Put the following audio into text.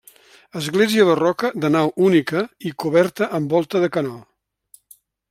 Església barroca de nau única i coberta amb volta de canó.